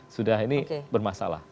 sudah ini bermasalah